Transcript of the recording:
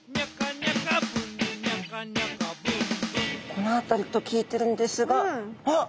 この辺りと聞いてるんですがあっ！